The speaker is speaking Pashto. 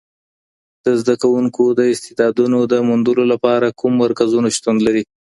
د زده کوونکو د استعدادونو د موندلو لپاره کوم مرکزونه شتون لري؟